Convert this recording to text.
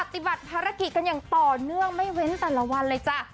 ปฏิบัติภารกิจกันอย่างต่อเนื่องไม่เว้นแต่ละวันเลยจ้ะ